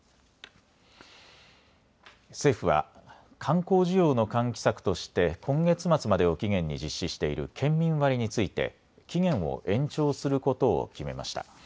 政府は観光需要の喚起策として今月末までを期限に実施している県民割について期限を延長することを決めました。